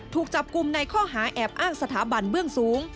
ถูกจับกลุ่มในข้อหาแอบอ้างสถาบันเบื้องสูง